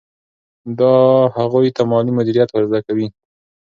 دا هغوی ته مالي مدیریت ور زده کوي.